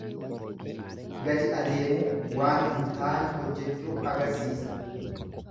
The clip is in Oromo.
Gadi adeemuu, waan hin taane hojjechuu agarsiisa.